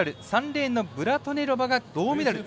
３レーンのブラトネロバが銅メダル。